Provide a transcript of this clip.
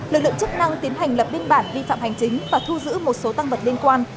lực lượng chức năng tiến hành lập biên bản vi phạm hành chính và thu giữ một số tăng vật liên quan